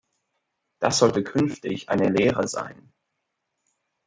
Das sollte künftig eine Lehre sein.